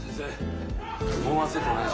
もうワンセットお願いします。